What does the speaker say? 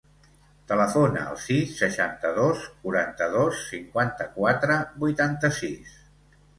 Telefona al sis, seixanta-dos, quaranta-dos, cinquanta-quatre, vuitanta-sis.